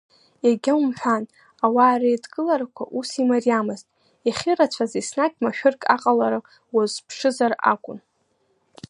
Иагьа умҳәан, ауаа реидкыларақәа ус имариамызт, иахьырацәаз еснагь машәырк аҟалара уазԥшызар акәын.